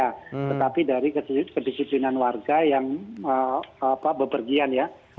tetapi dari kedisiplinan warga yang bepergian ya